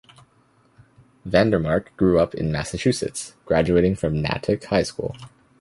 Vandermark grew up in Massachusetts, graduating from Natick High School.